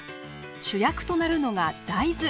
主役となるのが大豆。